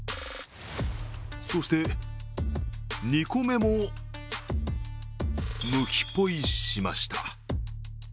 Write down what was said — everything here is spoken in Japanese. そして、２個目もむきポイしました。